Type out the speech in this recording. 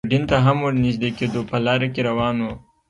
یوډین ته هم ور نږدې کېدو، په لاره کې روان و.